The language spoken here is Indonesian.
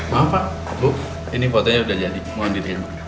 maaf pak bu ini fotonya udah jadi mohon diri